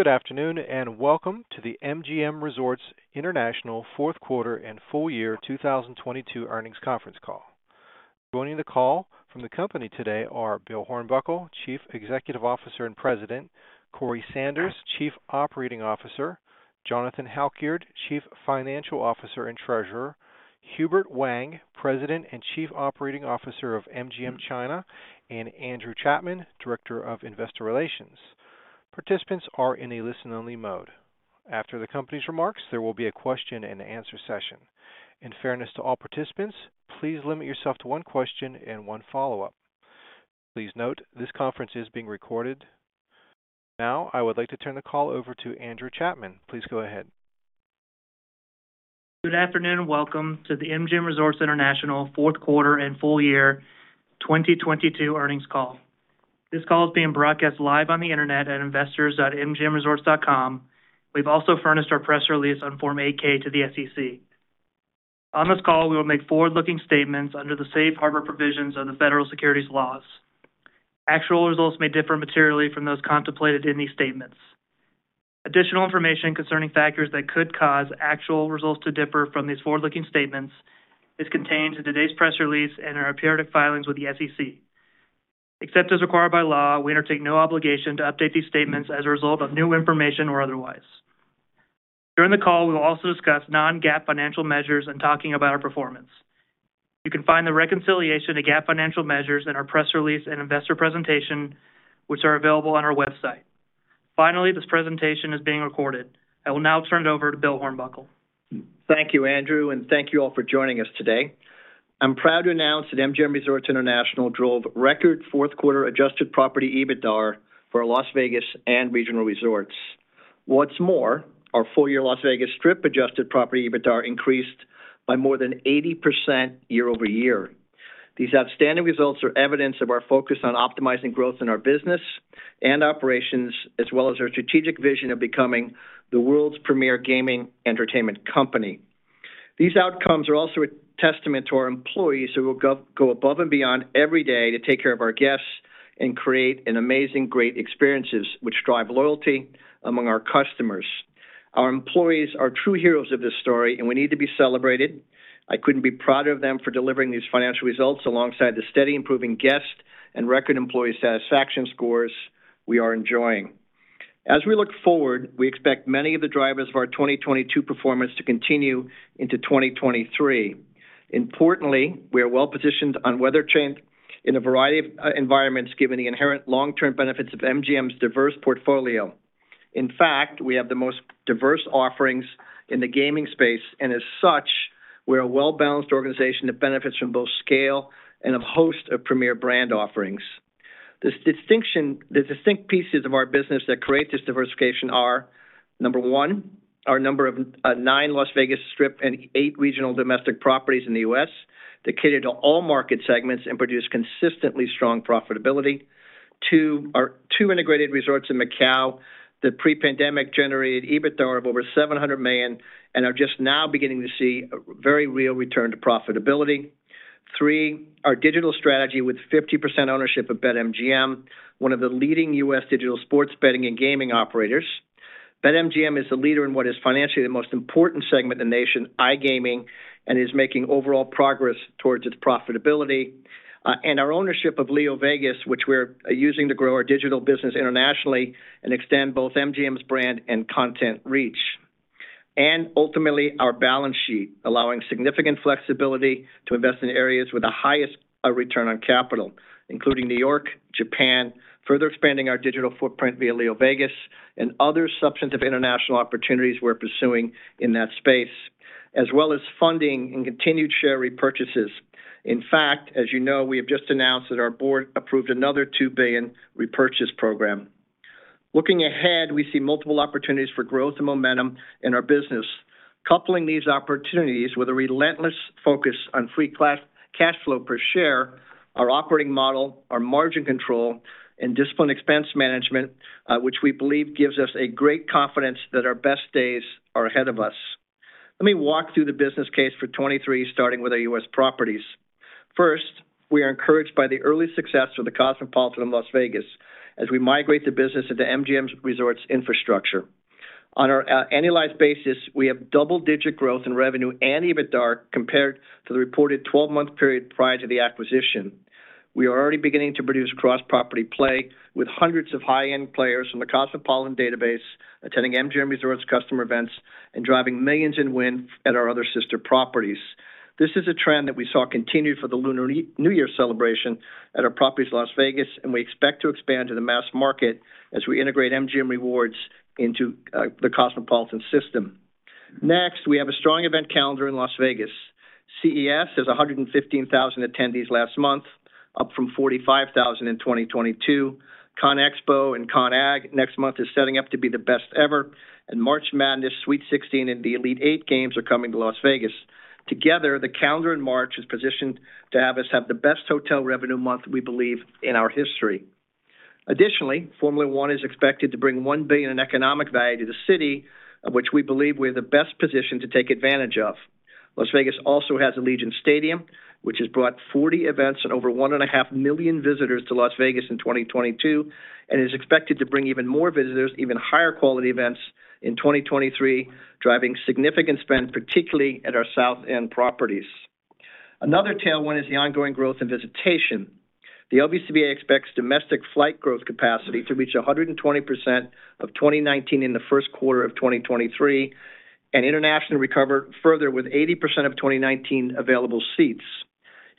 Good afternoon, welcome to the MGM Resorts International Fourth Quarter and Full Year 2022 Earnings Conference Call. Joining the call from the company today are Bill Hornbuckle, Chief Executive Officer and President, Corey Sanders, Chief Operating Officer, Jonathan Halkyard, Chief Financial Officer and Treasurer, Hubert Wang, President and Chief Operating Officer of MGM China, and Andrew Chapman, Director of Investor Relations. Participants are in a listen-only mode. After the company's remarks, there will be a question and answer session. In fairness to all participants, please limit yourself to one question and one follow-up. Please note, this conference is being recorded. I would like to turn the call over to Andrew Chapman. Please go ahead. Good afternoon. Welcome to the MGM Resorts International Fourth Quarter and Full Year 2022 Earnings Call. This call is being broadcast live on the Internet at investors.mgmresorts.com. We've also furnished our press release on Form 8-K to the SEC. On this call, we will make forward-looking statements under the safe harbor provisions of the Federal Securities laws. Actual results may differ materially from those contemplated in these statements. Additional information concerning factors that could cause actual results to differ from these forward-looking statements is contained in today's press release and in our periodic filings with the SEC. Except as required by law, we undertake no obligation to update these statements as a result of new information or otherwise. During the call, we will also discuss non-GAAP financial measures in talking about our performance. You can find the reconciliation to GAAP financial measures in our press release and investor presentation, which are available on our website. Finally, this presentation is being recorded. I will now turn it over to Bill Hornbuckle. Thank you, Andrew. Thank you all for joining us today. I'm proud to announce that MGM Resorts International drove record fourth quarter adjusted property EBITDAR for our Las Vegas and regional resorts. What's more, our full-year Las Vegas Strip adjusted property EBITDAR increased by more than 80% year-over-year. These outstanding results are evidence of our focus on optimizing growth in our business and operations, as well as our strategic vision of becoming the world's premier gaming entertainment company. These outcomes are also a testament to our employees who go above and beyond every day to take care of our guests and create an amazing, great experiences which drive loyalty among our customers. Our employees are true heroes of this story. We need to be celebrated. I couldn't be prouder of them for delivering these financial results alongside the steady improving guest and record employee satisfaction scores we are enjoying. We look forward, we expect many of the drivers of our 2022 performance to continue into 2023. Importantly, we are well-positioned on weather change in a variety of environments given the inherent long-term benefits of MGM's diverse portfolio. In fact, we have the most diverse offerings in the gaming space, and as such, we're a well-balanced organization that benefits from both scale and a host of premier brand offerings. The distinct pieces of our business that create this diversification are, number one, our number of 9 Las Vegas Strip and 8 regional domestic properties in the U.S. that cater to all market segments and produce consistently strong profitability. Two, our two integrated resorts in Macau that pre-pandemic generated EBITDAR of over $700 million and are just now beginning to see a very real return to profitability. Three, our digital strategy with 50% ownership of BetMGM, one of the leading U.S. digital sports betting and gaming operators. BetMGM is the leader in what is financially the most important segment in the nation, iGaming, and is making overall progress towards its profitability. Our ownership of LeoVegas, which we're using to grow our digital business internationally and extend both MGM's brand and content reach. Ultimately, our balance sheet, allowing significant flexibility to invest in areas with the highest return on capital, including New York, Japan, further expanding our digital footprint via LeoVegas and other substantive international opportunities we're pursuing in that space, as well as funding and continued share repurchases. In fact, as you know, we have just announced that our board approved another $2 billion repurchase program. Looking ahead, we see multiple opportunities for growth and momentum in our business. Coupling these opportunities with a relentless focus on free cash flow per share, our operating model, our margin control, and disciplined expense management, which we believe gives us a great confidence that our best days are ahead of us. Let me walk through the business case for 2023, starting with our U.S. properties. First, we are encouraged by the early success of The Cosmopolitan in Las Vegas as we migrate the business into MGM Resorts infrastructure. On our annualized basis, we have double-digit growth in revenue and EBITDAR compared to the reported 12-month period prior to the acquisition. We are already beginning to produce cross-property play with hundreds of high-end players from The Cosmopolitan database attending MGM Resorts customer events and driving $ millions in win at our other sister properties. This is a trend that we saw continued for the Lunar New Year celebration at our properties Las Vegas, and we expect to expand to the mass market as we integrate MGM Rewards into The Cosmopolitan system. Next, we have a strong event calendar in Las Vegas. CES has 115,000 attendees last month, up from 45,000 in 2022. CONEXPO and CON/AGG next month is setting up to be the best ever, and March Madness Sweet 16 and the Elite Eight games are coming to Las Vegas. Together, the calendar in March is positioned to have us have the best hotel revenue month we believe in our history. Additionally, Formula One is expected to bring $1 billion in economic value to the city, of which we believe we're the best positioned to take advantage of. Las Vegas also has Allegiant Stadium, which has brought 40 events and over 1.5 million visitors to Las Vegas in 2022, is expected to bring even more visitors, even higher quality events in 2023, driving significant spend, particularly at our South End properties. Another tailwind is the ongoing growth in visitation. The LVCVA expects domestic flight growth capacity to reach 120% of 2019 in the first quarter of 2023, international recover further with 80% of 2019 available seats.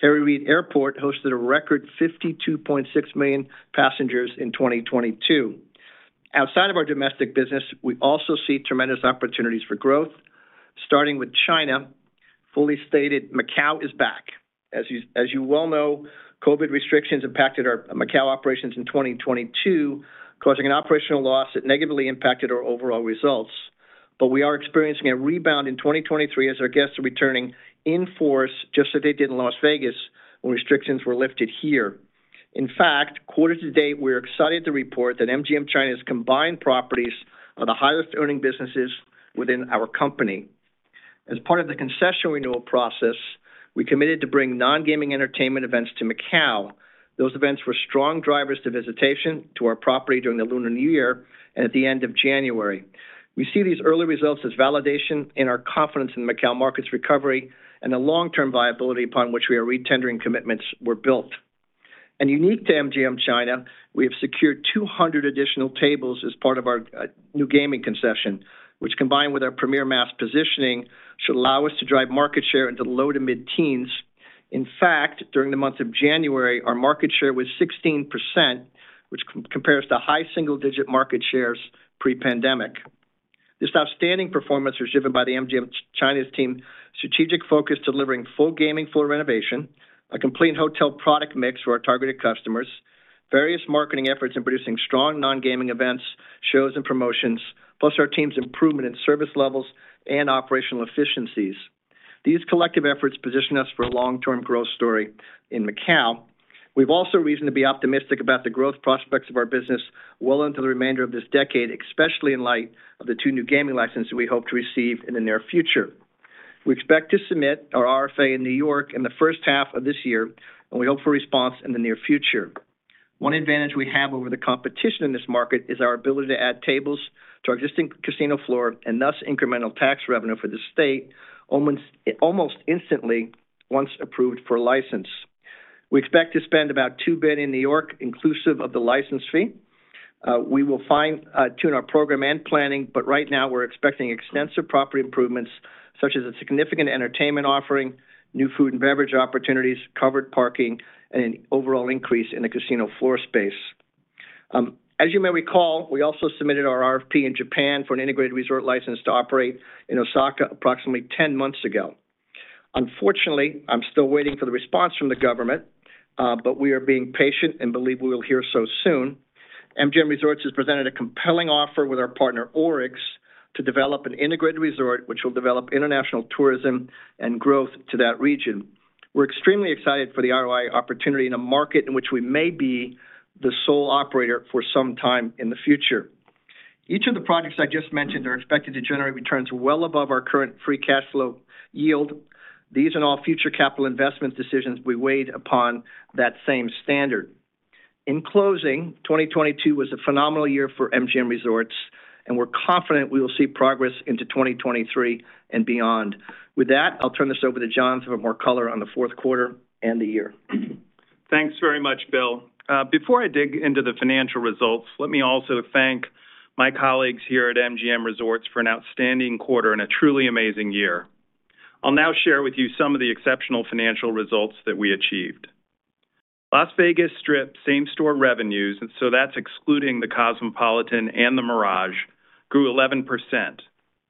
Harry Reid Airport hosted a record 52.6 million passengers in 2022. Outside of our domestic business, we also see tremendous opportunities for growth, starting with China. Fully stated, Macao is back. As you well know, COVID restrictions impacted our Macao operations in 2022, causing an operational loss that negatively impacted our overall results. We are experiencing a rebound in 2023 as our guests are returning in force, just as they did in Las Vegas when restrictions were lifted here. In fact, quarter to date, we are excited to report that MGM China's combined properties are the highest-earning businesses within our company. As part of the concession renewal process, we committed to bring non-gaming entertainment events to Macao. Those events were strong drivers to visitation to our property during the Lunar New Year and at the end of January. We see these early results as validation in our confidence in Macao market's recovery and the long-term viability upon which we are retendering commitments were built. Unique to MGM China, we have secured 200 additional tables as part of our new gaming concession, which combined with our premium mass positioning, should allow us to drive market share into the low to mid-teens. In fact, during the month of January, our market share was 16%, which compares to high single-digit market shares pre-pandemic. This outstanding performance was driven by the MGM China's team strategic focus, delivering full gaming, full renovation, a complete hotel product mix for our targeted customers, various marketing efforts in producing strong non-gaming events, shows, and promotions, plus our team's improvement in service levels and operational efficiencies. These collective efforts position us for a long-term growth story in Macao. We've also reason to be optimistic about the growth prospects of our business well into the remainder of this decade, especially in light of the 2 new gaming licenses we hope to receive in the near future. We expect to submit our RFA in New York in the first half of this year. We hope for a response in the near future. One advantage we have over the competition in this market is our ability to add tables to our existing casino floor and thus incremental tax revenue for the state almost instantly once approved for a license. We expect to spend about $2 billion in New York, inclusive of the license fee. We will fine-tune our program and planning, but right now we're expecting extensive property improvements, such as a significant entertainment offering, new food and beverage opportunities, covered parking, and an overall increase in the casino floor space. As you may recall, we also submitted our RFP in Japan for an integrated resort license to operate in Osaka approximately 10 months ago. Unfortunately, I'm still waiting for the response from the government, but we are being patient and believe we will hear so soon. MGM Resorts has presented a compelling offer with our partner ORIX to develop an integrated resort which will develop international tourism and growth to that region. We're extremely excited for the ROI opportunity in a market in which we may be the sole operator for some time in the future. Each of the projects I just mentioned are expected to generate returns well above our current free cash flow yield. These and all future capital investment decisions will be weighed upon that same standard. In closing, 2022 was a phenomenal year for MGM Resorts, and we're confident we will see progress into 2023 and beyond. With that, I'll turn this over to Jon for more color on the fourth quarter and the year. Thanks very much, Bill. Before I dig into the financial results, let me also thank my colleagues here at MGM Resorts for an outstanding quarter and a truly amazing year. I'll now share with you some of the exceptional financial results that we achieved. Las Vegas Strip same-store revenues, and so that's excluding The Cosmopolitan and The Mirage, grew 11%,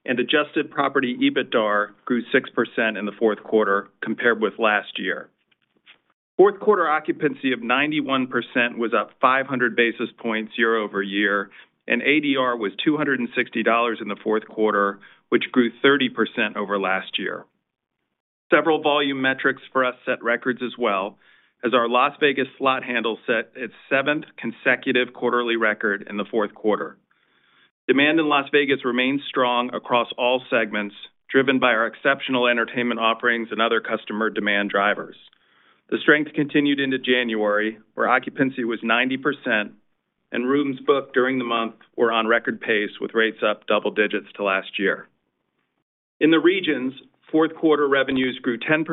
and adjusted property EBITDAR grew 6% in the fourth quarter compared with last year. Fourth quarter occupancy of 91% was up 500 basis points year-over-year, and ADR was $260 in the fourth quarter, which grew 30% over last year. Several volume metrics for us set records as well as our Las Vegas slot handle set its 7th consecutive quarterly record in the fourth quarter. Demand in Las Vegas remains strong across all segments, driven by our exceptional entertainment offerings and other customer demand drivers. The strength continued into January, where occupancy was 90% and rooms booked during the month were on record pace with rates up double digits to last year. In the regions, fourth quarter revenues grew 10%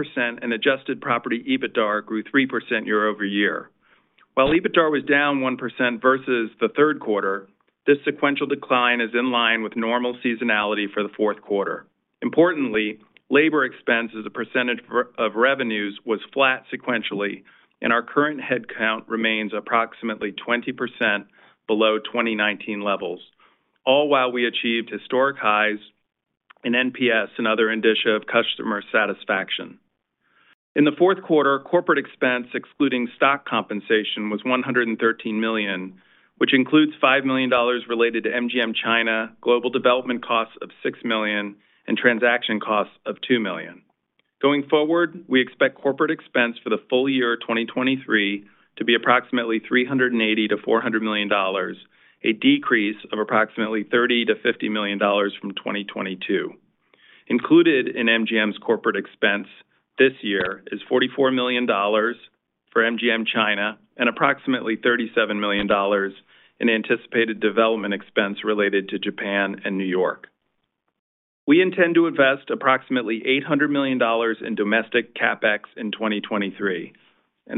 and adjusted property EBITDAR grew 3% year-over-year. While EBITDAR was down 1% versus the third quarter, this sequential decline is in line with normal seasonality for the fourth quarter. Importantly, labor expense as a percentage of revenues was flat sequentially, and our current headcount remains approximately 20% below 2019 levels, all while we achieved historic highs in NPS and other indicia of customer satisfaction. In the fourth quarter, corporate expense excluding stock compensation was $113 million, which includes $5 million related to MGM China, global development costs of $6 million, and transaction costs of $2 million. Going forward, we expect corporate expense for the full year 2023 to be approximately $380 million-$400 million, a decrease of approximately $30 million-$50 million from 2022. Included in MGM's corporate expense this year is $44 million for MGM China and approximately $37 million in anticipated development expense related to Japan and New York. We intend to invest approximately $800 million in domestic CapEx in 2023,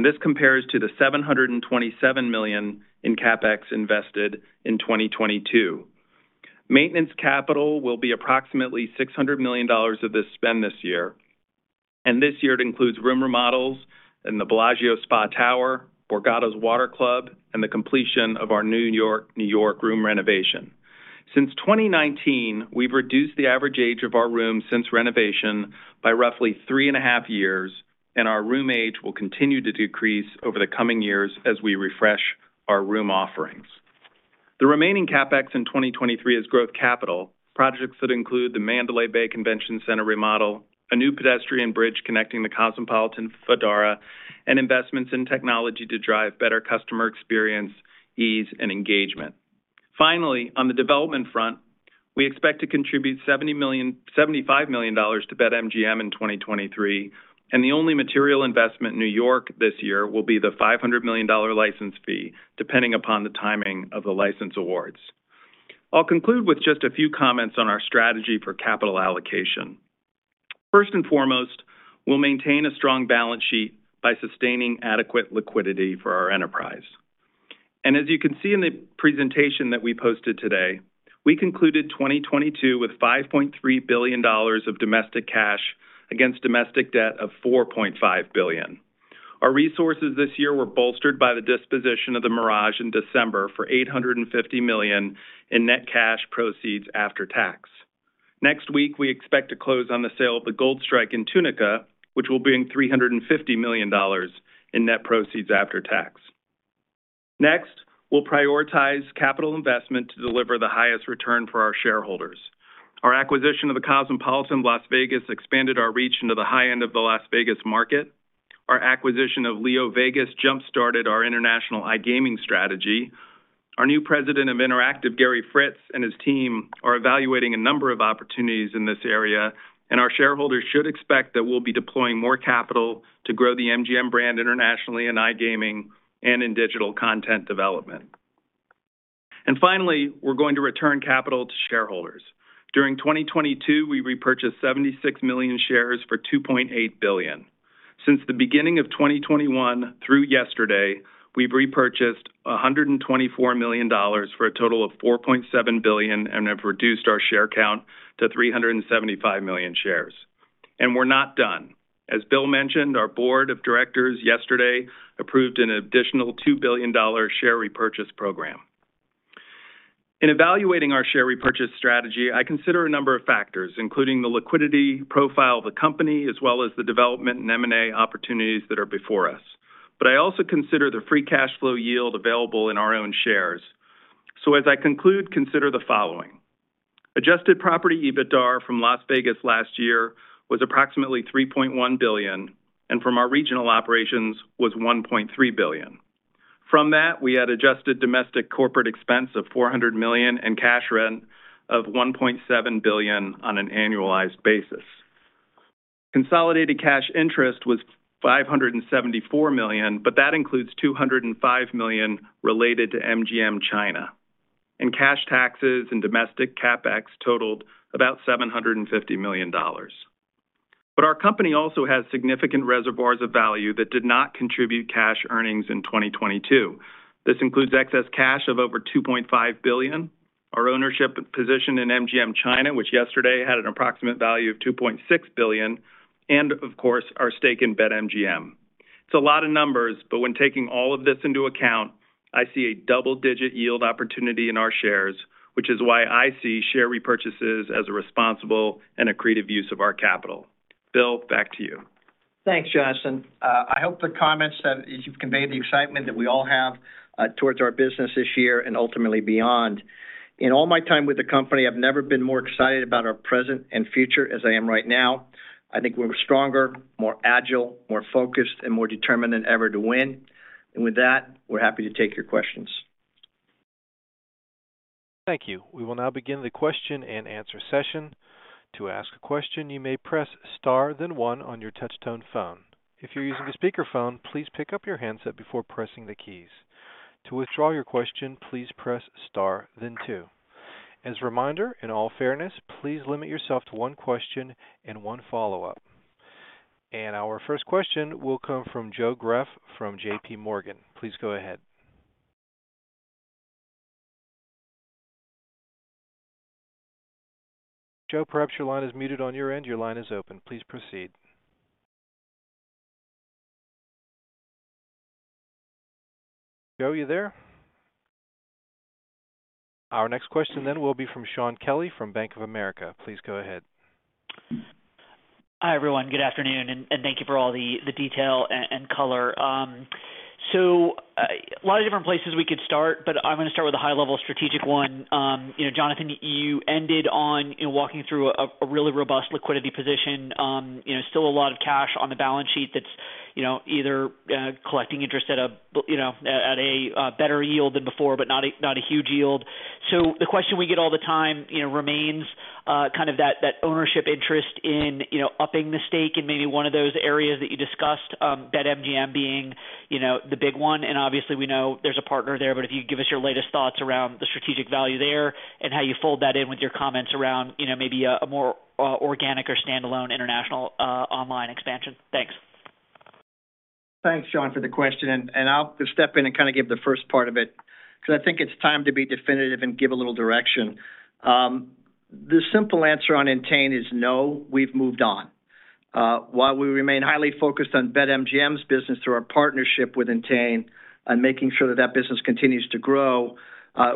this compares to the $727 million in CapEx invested in 2022. Maintenance capital will be approximately $600 million of this spend this year. This year it includes room remodels in the Bellagio Spa Tower, Borgata's Water Club, and the completion of our New York-New York room renovation. Since 2019, we've reduced the average age of our rooms since renovation by roughly three and a half years. Our room age will continue to decrease over the coming years as we refresh our room offerings. The remaining CapEx in 2023 is growth capital, projects that include the Mandalay Bay Convention Center remodel, a new pedestrian bridge connecting The Cosmopolitan of Las Vegas, and investments in technology to drive better customer experience, ease, and engagement. Finally, on the development front, we expect to contribute $75 million to BetMGM in 2023, and the only material investment in New York this year will be the $500 million license fee, depending upon the timing of the license awards. I'll conclude with just a few comments on our strategy for capital allocation. First and foremost, we'll maintain a strong balance sheet by sustaining adequate liquidity for our enterprise. As you can see in the presentation that we posted today, we concluded 2022 with $5.3 billion of domestic cash against domestic debt of $4.5 billion. Our resources this year were bolstered by the disposition of The Mirage in December for $850 million in net cash proceeds after tax. Next week, we expect to close on the sale of the Gold Strike Tunica, which will bring $350 million in net proceeds after tax. Next, we'll prioritize capital investment to deliver the highest return for our shareholders. Our acquisition of the Cosmopolitan Las Vegas expanded our reach into the high end of the Las Vegas market. Our acquisition of LeoVegas jump-started our international iGaming strategy. Our new President of Interactive, Gary Fritz, and his team are evaluating a number of opportunities in this area, our shareholders should expect that we'll be deploying more capital to grow the MGM brand internationally in iGaming and in digital content development. Finally, we're going to return capital to shareholders. During 2022, we repurchased 76 million shares for $2.8 billion. Since the beginning of 2021 through yesterday, we've repurchased $124 million for a total of $4.7 billion and have reduced our share count to 375 million shares. We're not done. As Bill mentioned, our board of directors yesterday approved an additional $2 billion share repurchase program. In evaluating our share repurchase strategy, I consider a number of factors, including the liquidity profile of the company, as well as the development and M&A opportunities that are before us. I also consider the free cash flow yield available in our own shares. As I conclude, consider the following. Adjusted property EBITDAR from Las Vegas last year was approximately $3.1 billion, and from our regional operations was $1.3 billion. From that, we had adjusted domestic corporate expense of $400 million and cash rent of $1.7 billion on an annualized basis. Consolidated cash interest was $574 million, but that includes $205 million related to MGM China. Cash taxes and domestic CapEx totaled about $750 million. Our company also has significant reservoirs of value that did not contribute cash earnings in 2022. This includes excess cash of over $2.5 billion, our ownership position in MGM China, which yesterday had an approximate value of $2.6 billion and, of course, our stake in BetMGM. It's a lot of numbers, but when taking all of this into account, I see a double-digit yield opportunity in our shares, which is why I see share repurchases as a responsible and accretive use of our capital. Bill, back to you. Thanks, Jonathan. I hope the comments that you've conveyed the excitement that we all have towards our business this year and ultimately beyond. In all my time with the company, I've never been more excited about our present and future as I am right now. I think we're stronger, more agile, more focused, and more determined than ever to win. With that, we're happy to take your questions. Thank you. We will now begin the question and answer session. To ask a question, you may press star, then one on your touch-tone phone. If you're using a speakerphone, please pick up your handset before pressing the keys. To withdraw your question, please press star, then two. As a reminder, in all fairness, please limit yourself to one question and one follow-up. Our first question will come from Joe Greff from J.P. Morgan. Please go ahead. Joe, perhaps your line is muted on your end. Your line is open. Please proceed. Joe, are you there? Our next question then will be from Shaun Kelley from Bank of America. Please go ahead. Hi, everyone. Good afternoon, and thank you for all the detail and color. So, a lot of different places we could start, but I'm gonna start with a high-level strategic one. You know, Jonathan, you ended on walking through a really robust liquidity position. You know, still a lot of cash on the balance sheet that's, you know, either collecting interest at a, you know, at a better yield than before, but not a huge yield. The question we get all the time, you know, remains, kind of that ownership interest in, you know, upping the stake in maybe one of those areas that you discussed, BetMGM being, you know, the big one. Obviously, we know there's a partner there, but if you could give us your latest thoughts around the strategic value there and how you fold that in with your comments around, you know, maybe a more organic or standalone international online expansion. Thanks. Thanks, Jon, for the question, and I'll just step in and kind of give the first part of it because I think it's time to be definitive and give a little direction. The simple answer on Entain is no, we've moved on. While we remain highly focused on BetMGM's business through our partnership with Entain and making sure that that business continues to grow,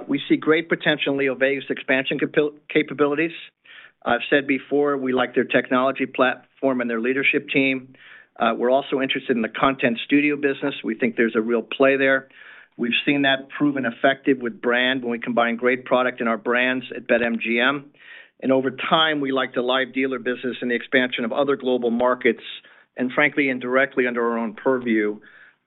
we see great potential in LeoVegas expansion capabilities. I've said before, we like their technology platform and their leadership team. We're also interested in the content studio business. We think there's a real play there. We've seen that proven effective with brand when we combine great product in our brands at BetMGM. Over time, we like the live dealer business and the expansion of other global markets, and frankly, indirectly under our own purview.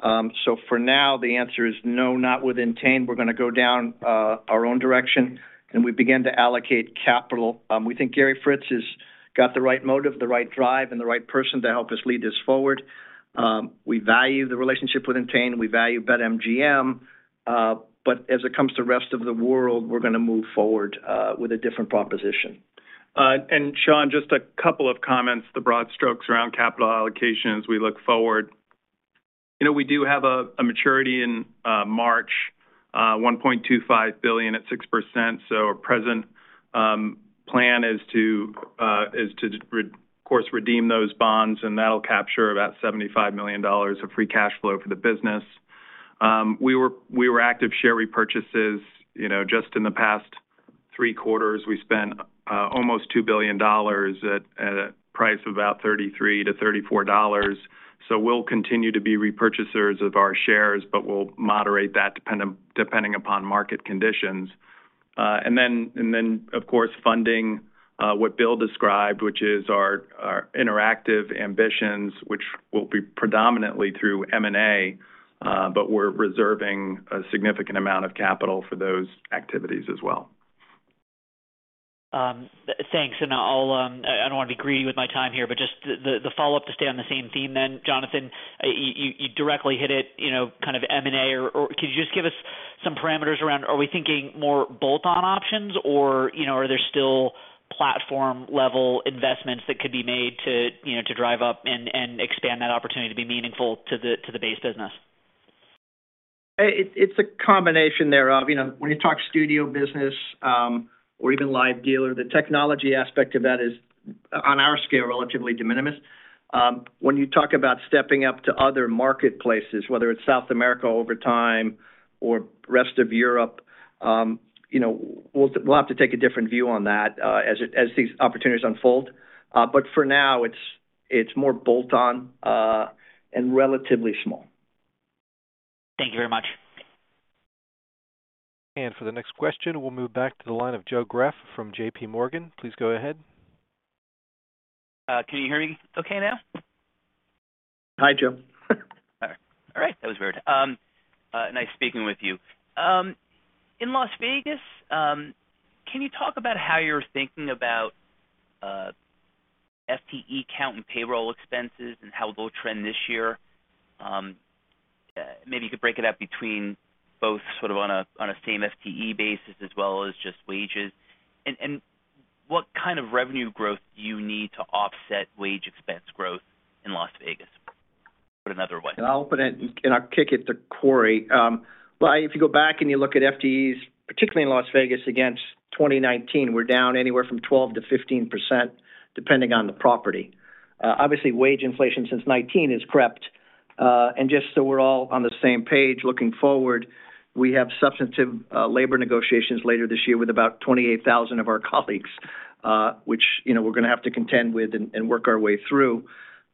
For now, the answer is no, not with Entain. We're gonna go down our own direction, and we begin to allocate capital. We think Gary Fritz has got the right motive, the right drive, and the right person to help us lead this forward. We value the relationship with Entain, we value BetMGM, but as it comes to rest of the world, we're gonna move forward with a different proposition. Shaun, just a couple of comments, the broad strokes around capital allocations we look forward. You know, we do have a maturity in March, $1.25 billion at 6%. Our present plan is to of course, redeem those bonds, and that'll capture about $75 million of free cash flow for the business. We were active share repurchases, you know, just in the past 3 quarters. We spent almost $2 billion at a price of about $33-$34. We'll continue to be repurchasers of our shares, but we'll moderate that depending upon market conditions. Of course, funding, what Bill described, which is our interactive ambitions, which will be predominantly through M&A, but we're reserving a significant amount of capital for those activities as well. Thanks. I'll, I don't want to be greedy with my time here, just the, the follow-up to stay on the same theme, Jonathan, you directly hit it, you know, kind of M&A or could you just give us some parameters around are we thinking more bolt-on options or, you know, are there still platform-level investments that could be made to, you know, to drive up and expand that opportunity to be meaningful to the, to the base business? It's a combination thereof. You know, when you talk studio business, or even live dealer, the technology aspect of that is on our scale, relatively de minimis. When you talk about stepping up to other marketplaces, whether it's South America over time or rest of Europe, you know, we'll have to take a different view on that as these opportunities unfold. For now, it's more bolt-on and relatively small. Thank you very much. For the next question, we'll move back to the line of Joe Greff from J.P. Morgan. Please go ahead. Can you hear me okay now? Hi, Joe. All right. That was weird. Nice speaking with you. In Las Vegas, can you talk about how you're thinking about FTE count and payroll expenses and how they'll trend this year? Maybe you could break it out between both sort of on a same FTE basis as well as just wages. What kind of revenue growth do you need to offset wage expense growth in Las Vegas, put another way? I'll open it and I'll kick it to Corey. Well, if you go back and you look at FTEs, particularly in Las Vegas against 2019, we're down anywhere from 12%-15%, depending on the property. Obviously, wage inflation since 2019 has crept. Just so we're all on the same page looking forward, we have substantive labor negotiations later this year with about 28,000 of our colleagues, which, you know, we're gonna have to contend with and work our way through.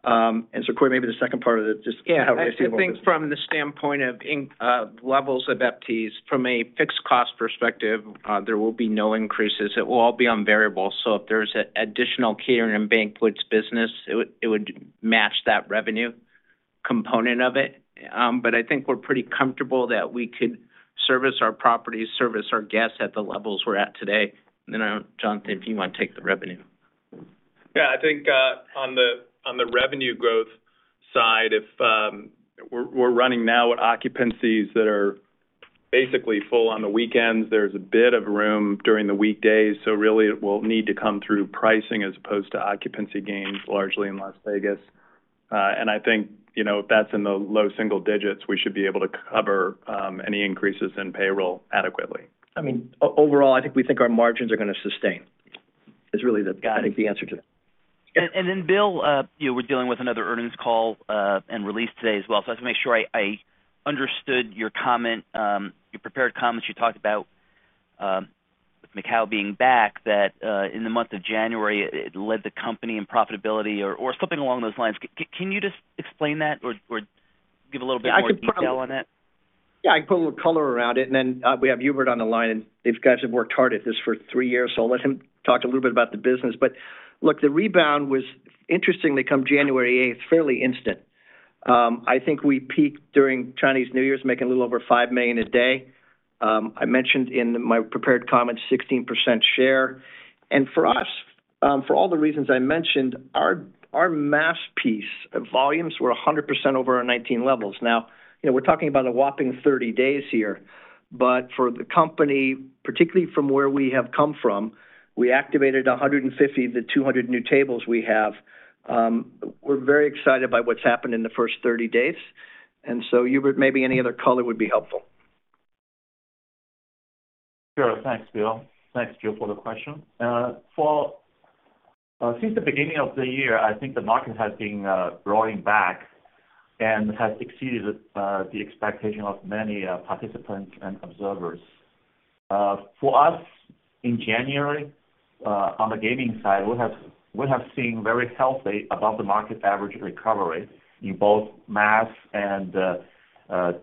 Corey, maybe the second part of it, just how are you seeing all this? Yeah. I think from the standpoint of levels of FTEs from a fixed cost perspective, there will be no increases. It will all be on variable. If there's a additional catering and banquets business, it would match that revenue component of it. I think we're pretty comfortable that we could service our properties, service our guests at the levels we're at today. John, if you wanna take the revenue. Yeah. I think, on the, on the revenue growth side, if, we're running now with occupancies that are basically full on the weekends. There's a bit of room during the weekdays, so really it will need to come through pricing as opposed to occupancy gains largely in Las Vegas. I think, you know, if that's in the low single digits, we should be able to cover any increases in payroll adequately. I mean, overall, I think we think our margins are gonna sustain, is really the, I think, the answer to that. Bill, you were dealing with another earnings call and release today as well. I just wanna make sure I understood your comment, your prepared comments. You talked about with Macau being back that in the month of January, it led the company in profitability or something along those lines. Can you just explain that or give a little bit more detail on that? Yeah. I can put a little color around it, and then, we have Hubert on the line, and these guys have worked hard at this for three years, so I'll let him talk a little bit about the business. Look, the rebound was interestingly come January eighth, fairly instant. I think we peaked during Chinese New Year, making a little over $5 million a day. I mentioned in my prepared comments 16% share. For us, for all the reasons I mentioned, our mass piece of volumes were 100% over our 2019 levels. Now, you know, we're talking about a whopping 30 days here, but for the company, particularly from where we have come from, we activated 150 of the 200 new tables we have. We're very excited by what's happened in the first 30 days. Hubert, maybe any other color would be helpful. Sure. Thanks, Bill. Thanks, Joe, for the question. Since the beginning of the year, I think the market has been growing back and has exceeded the expectation of many participants and observers. For us, in January, on the gaming side, we have seen very healthy above the market average recovery in both mass and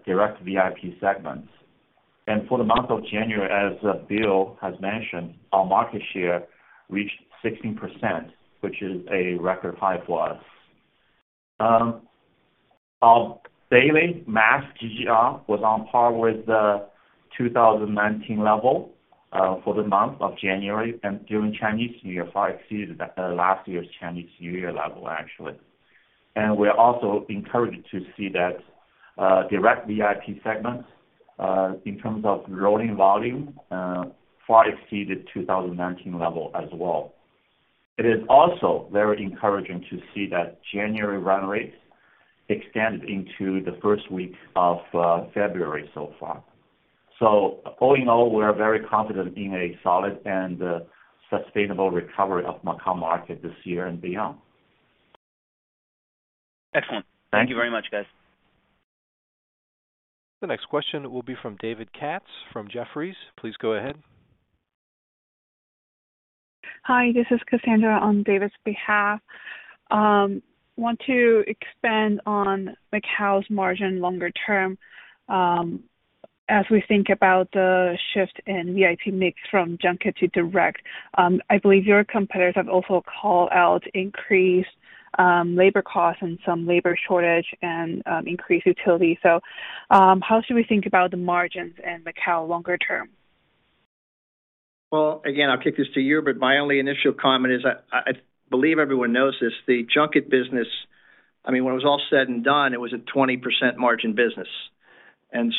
direct VIP segments. For the month of January, as Bill has mentioned, our market share reached 16%, which is a record high for us. Our daily mass GGR was on par with the 2019 level for the month of January and during Chinese New Year far exceeded the last year's Chinese New Year level, actually. We're also encouraged to see that direct VIP segments, in terms of growing volume, far exceeded 2019 level as well. It is also very encouraging to see that January run rates extended into the first week of February so far. All in all, we are very confident in a solid and sustainable recovery of Macau market this year and beyond. Excellent. Thank you very much, guys. The next question will be from David Katz from Jefferies. Please go ahead. Hi, this is Cassandra on David's behalf. Want to expand on Macau's margin longer term, as we think about the shift in VIP mix from junket to direct. I believe your competitors have also called out increased, labor costs and some labor shortage and, increased utility. How should we think about the margins in Macau longer term? Again, I'll kick this to Hubert, but my only initial comment is I believe everyone knows this. The junket business, I mean, when it was all said and done, it was a 20% margin business.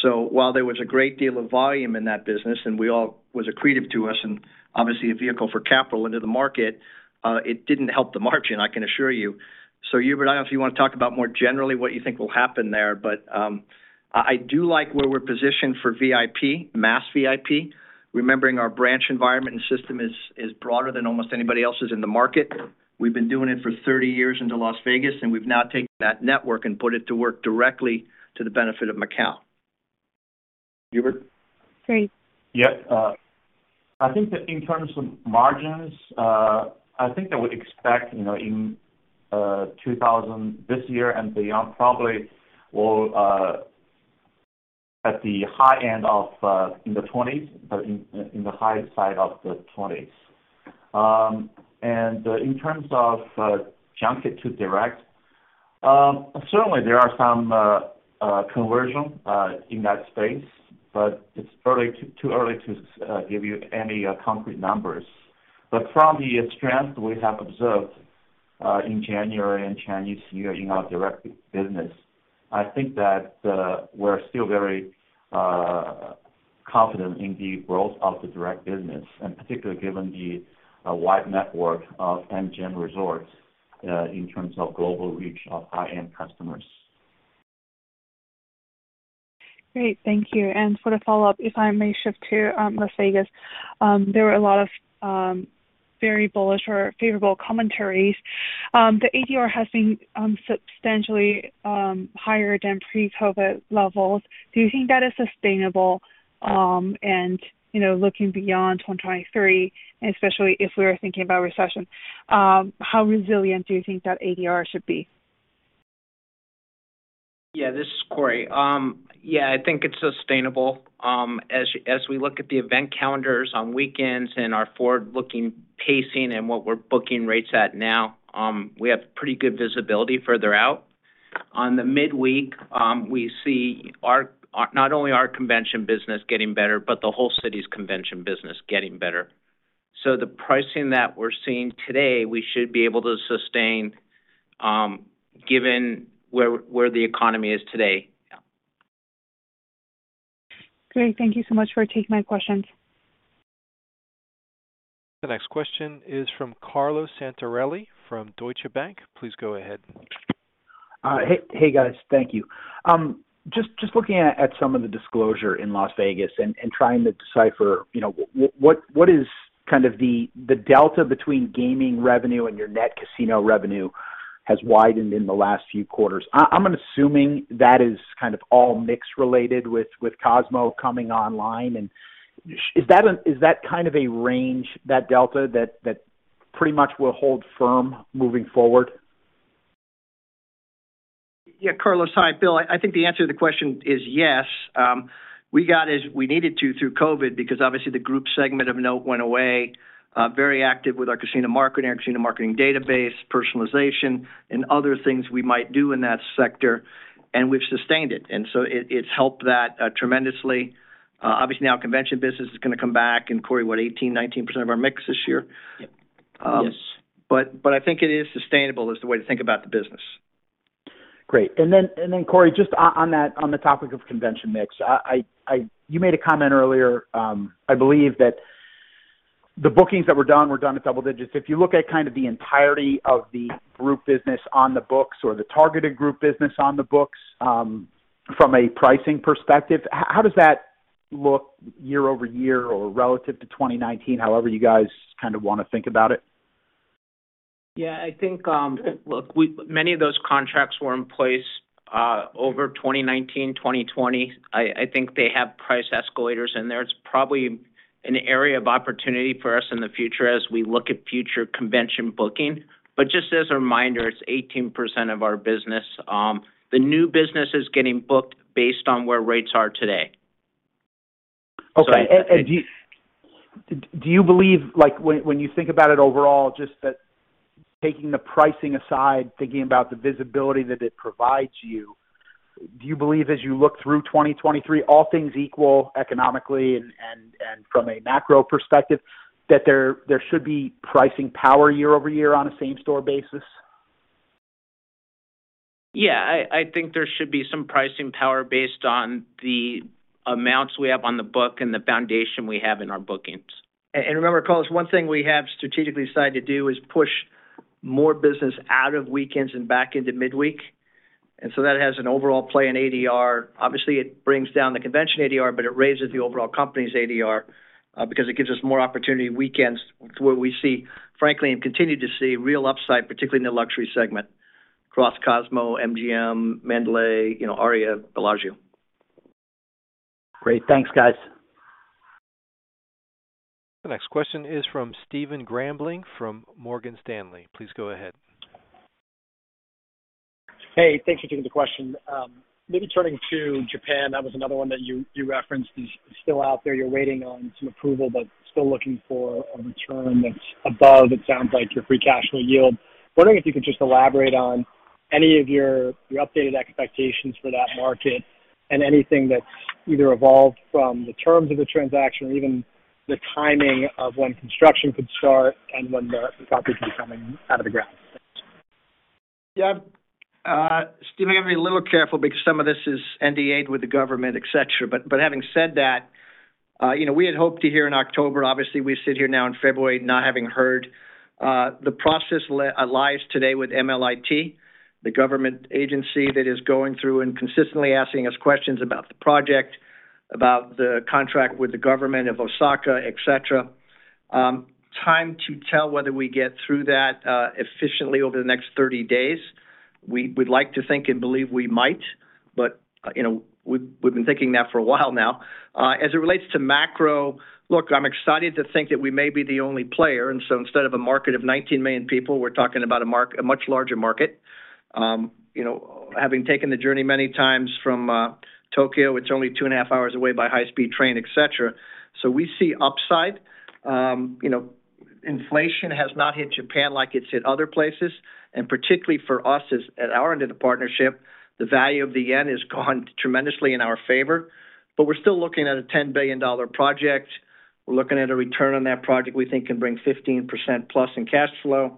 While there was a great deal of volume in that business, and was accretive to us and obviously a vehicle for capital into the market, it didn't help the margin, I can assure you. Hubert, I don't know if you want to talk about more generally what you think will happen there, but I do like where we're positioned for VIP, mass VIP, remembering our branch environment and system is broader than almost anybody else's in the market. We've been doing it for 30 years into Las Vegas, and we've now taken that network and put it to work directly to the benefit of Macau. Hubert? Great. Yeah. I think that in terms of margins, I think I would expect, you know, in 2000 this year and beyond, probably will at the high end of in the 20s, but in the high side of the 20s. In terms of junket to direct, certainly there are some conversion in that space, but it's too early to give you any concrete numbers. From the strength we have observed in January and Chinese New Year in our direct business, I think that we're still very confident in the growth of the direct business, and particularly given the wide network of MGM Resorts in terms of global reach of high-end customers. Great. Thank you. For the follow-up, if I may shift to Las Vegas. There were a lot of very bullish or favorable commentaries. The ADR has been substantially higher than pre-COVID levels. Do you think that is sustainable? You know, looking beyond 2023, especially if we are thinking about recession, how resilient do you think that ADR should be? Yeah, this is Corey. Yeah, I think it's sustainable. As we look at the event calendars on weekends and our forward-looking pacing and what we're booking rates at now, we have pretty good visibility further out. On the midweek, we see not only our convention business getting better, but the whole city's convention business getting better. The pricing that we're seeing today, we should be able to sustain, given where the economy is today. Yeah. Great. Thank you so much for taking my questions. The next question is from Carlo Santarelli from Deutsche Bank. Please go ahead. Hey, guys. Thank you. Just looking at some of the disclosure in Las Vegas and trying to decipher, you know, what is kind of the delta between gaming revenue and your net casino revenue has widened in the last few quarters. I'm assuming that is kind of all mix related with Cosmo coming online. Is that kind of a range, that delta that pretty much will hold firm moving forward? Yeah. Carlo, hi, it's Bill. I think the answer to the question is yes. We got as we needed to through COVID because obviously the group segment of Note went away, very active with our casino marketing, our casino marketing database, personalization, and other things we might do in that sector, and we've sustained it. It's helped that tremendously. Obviously now convention business is gonna come back, and Corey, what 18%, 19% of our mix this year? Yep. Yes. I think it is sustainable is the way to think about the business. Great. Corey, just on the topic of convention mix. I You made a comment earlier, I believe that the bookings that were done were done at double digits. If you look at kind of the entirety of the group business on the books or the targeted group business on the books, from a pricing perspective, how does that look year-over-year or relative to 2019? However you guys kind of wanna think about it. Yeah. I think, look, many of those contracts were in place, over 2019, 2020. I think they have price escalators in there. It's probably an area of opportunity for us in the future as we look at future convention booking. Just as a reminder, it's 18% of our business. The new business is getting booked based on where rates are today. Okay. Do you believe, like, when you think about it overall, just that taking the pricing aside, thinking about the visibility that it provides you, do you believe as you look through 2023, all things equal economically and from a macro perspective, that there should be pricing power year-over-year on a same store basis? Yeah. I think there should be some pricing power based on the amounts we have on the book and the foundation we have in our bookings. Remember, Carlo, one thing we have strategically decided to do is push more business out of weekends and back into midweek. That has an overall play in ADR. Obviously, it brings down the convention ADR, but it raises the overall company's ADR because it gives us more opportunity weekends to where we see, frankly, and continue to see real upside, particularly in the luxury segment, Cross Cosmo, MGM, Mandalay, you know, ARIA, Bellagio. Great. Thanks, guys. The next question is from Stephen Grambling from Morgan Stanley. Please go ahead. Hey, thanks for taking the question. Maybe turning to Japan, that was another one that you referenced is still out there. You're waiting on some approval, but still looking for a return that's above, it sounds like, your free cash flow yield. Wondering if you could just elaborate on any of your updated expectations for that market and anything that's either evolved from the terms of the transaction or even the timing of when construction could start and when the property could be coming out of the ground. Thanks. Yeah. Stephen, I'm gonna be a little careful because some of this is NDA with the government, et cetera. Having said that, you know, we had hoped to hear in October. Obviously, we sit here now in February not having heard. The process lies today with MLIT, the government agency that is going through and consistently asking us questions about the project, about the contract with the government of Osaka, et cetera. Time to tell whether we get through that efficiently over the next 30 days. We'd like to think and believe we might, but, you know, we've been thinking that for a while now. As it relates to macro, look, I'm excited to think that we may be the only player, instead of a market of 19 million people, we're talking about a much larger market. You know, having taken the journey many times from Tokyo, it's only two and a half hours away by high speed train, et cetera. We see upside. You know, inflation has not hit Japan like it's hit other places. Particularly for us at our end of the partnership, the value of the yen has gone tremendously in our favor. We're still looking at a $10 billion project. We're looking at a return on that project we think can bring 15% plus in cash flow,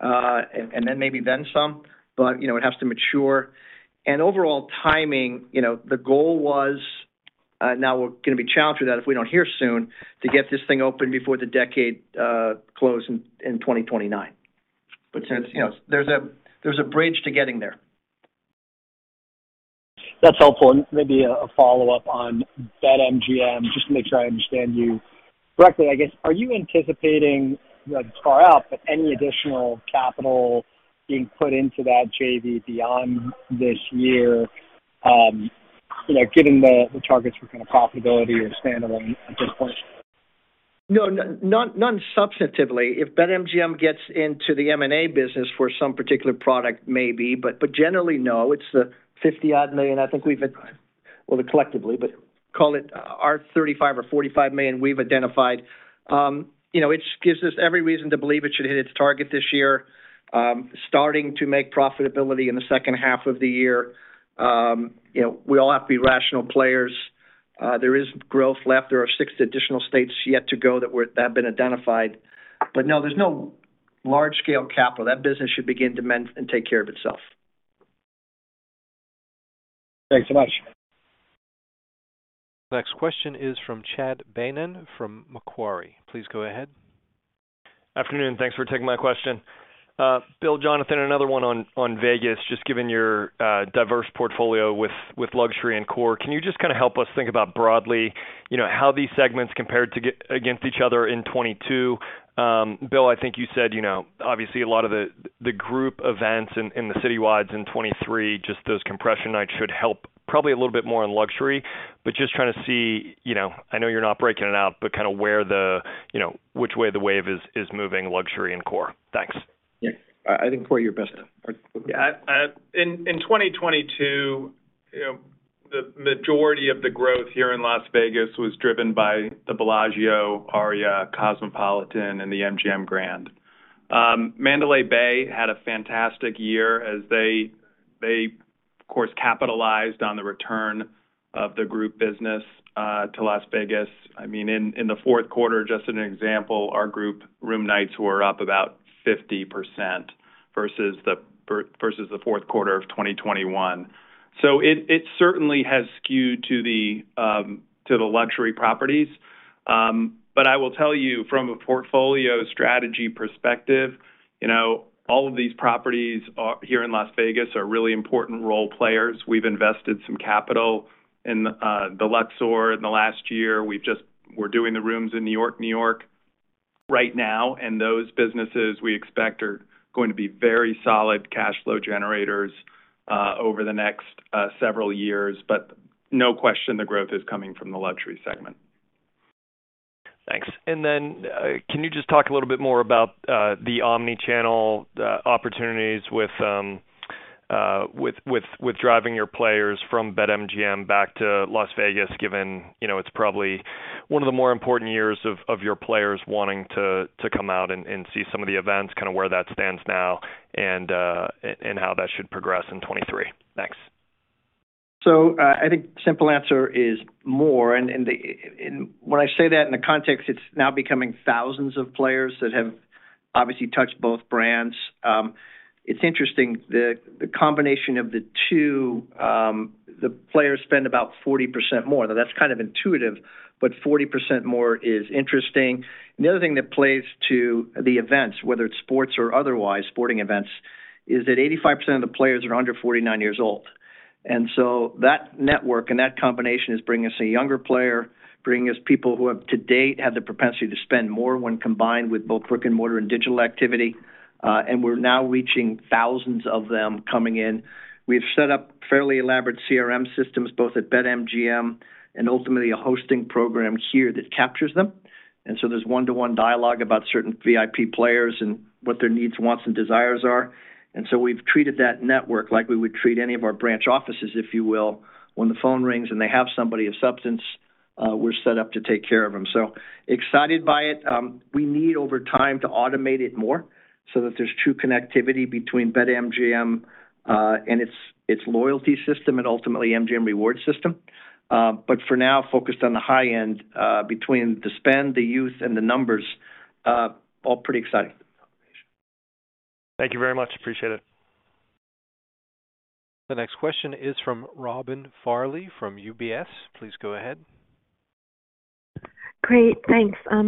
and then maybe then some. You know, it has to mature. Overall timing, you know, the goal was, now we're gonna be challenged with that if we don't hear soon, to get this thing open before the decade close in 2029. you know, there's a, there's a bridge to getting there. That's helpful. Maybe a follow-up on BetMGM, just to make sure I understand you correctly, I guess. Are you anticipating, you know, it's far out, but any additional capital being put into that JV beyond this year, you know, given the targets for kind of profitability or standalone at this point? No, none substantively. If BetMGM gets into the M&A business for some particular product, maybe. Generally, no. It's the $50 million I think we've Well, collectively, but call it, our $35 million or $45 million we've identified. You know, it gives us every reason to believe it should hit its target this year. Starting to make profitability in the second half of the year. You know, we all have to be rational players. There is growth left. There are six additional states yet to go that have been identified. No, there's no large scale capital. That business should begin to mend and take care of itself. Thanks so much. Next question is from Chad Beynon from Macquarie. Please go ahead. Afternoon. Thanks for taking my question. Bill, Jonathan, another one on Vegas. Just given your diverse portfolio with luxury and core, can you just kinda help us think about broadly, you know, how these segments compared against each other in 2022? Bill, I think you said, you know, obviously a lot of the group events in the city wides in 2023, just those compression nights should help probably a little bit more in luxury. Just trying to see, you know, I know you're not breaking it out, but kinda where the, you know, which way the wave is moving luxury and core. Thanks. Yeah, I think Corey, you're best. Yeah, in 2022, you know, the majority of the growth here in Las Vegas was driven by the Bellagio, ARIA, Cosmopolitan, and The MGM Grand. Mandalay Bay had a fantastic year as they of course capitalized on the return of the group business to Las Vegas. I mean, in the fourth quarter, just an example, our group room nights were up about 50% versus the fourth quarter of 2021. It certainly has skewed to the luxury properties. I will tell you from a portfolio strategy perspective, you know, all of these properties here in Las Vegas are really important role players. We've invested some capital in the Luxor in the last year. We're doing the rooms in New York, New York right now, and those businesses we expect are going to be very solid cash flow generators over the next several years. No question, the growth is coming from the luxury segment. Thanks. Then, can you just talk a little bit more about the omni-channel opportunities with driving your players from BetMGM back to Las Vegas, given, you know, it's probably one of the more important years of your players wanting to come out and see some of the events, kind of where that stands now and how that should progress in 2023? Thanks. I think simple answer is more. When I say that in the context, it's now becoming thousands of players that have obviously touched both brands. It's interesting, the combination of the two, the players spend about 40% more, though that's kind of intuitive, but 40% more is interesting. The other thing that plays to the events, whether it's sports or otherwise sporting events, is that 85% of the players are under 49 years old. That network and that combination is bringing us a younger player, bringing us people who have to date had the propensity to spend more when combined with both brick-and-mortar and digital activity. We're now reaching thousands of them coming in. We've set up fairly elaborate CRM systems, both at BetMGM and ultimately a hosting program here that captures them. There's 1-to-1 dialogue about certain VIP players and what their needs, wants, and desires are. We've treated that network like we would treat any of our branch offices, if you will. When the phone rings and they have somebody of substance, we're set up to take care of them. Excited by it. We need over time to automate it more so that there's true connectivity between BetMGM, and its loyalty system and ultimately MGM Rewards system. For now focused on the high end, between the spend, the use, and the numbers, all pretty exciting. Thank you very much. Appreciate it. The next question is from Robin Farley from UBS. Please go ahead. Great, thanks. I